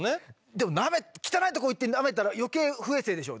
でも汚いとこ行ってなめたら余計不衛生でしょ。